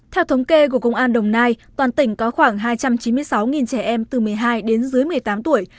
theo thống kê của công an đồng nai toàn tỉnh có khoảng hai trăm chín mươi sáu trẻ em từ một mươi hai đến dưới một mươi tám tuổi